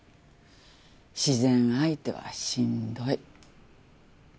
自然相手はしんどい。